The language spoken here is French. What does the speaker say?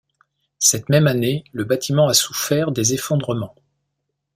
Cette même année le bâtiment a souffert des effondrements.